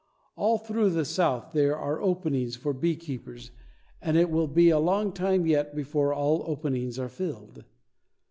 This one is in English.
All through the South there are openings for beekeepers and it will be a long time yet before all openings are filled.